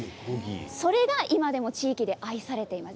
それが今でも地域で愛されています。